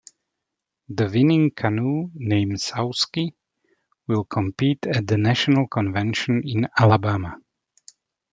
The winning canoe, named Sauske, will compete at the national convention in Alabama.